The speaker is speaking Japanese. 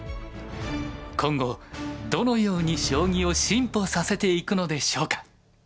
今後どのように将棋を進歩させていくのでしょうか。